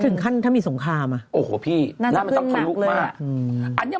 นะจำเป็นหนักเลย